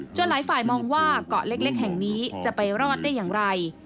หลายฝ่ายมองว่าเกาะเล็กแห่งนี้จะไปรอดได้อย่างไร